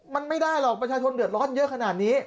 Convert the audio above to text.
มันไม่ได้หรอกประชาชนเดือดร้อนเยอะขนาดนี้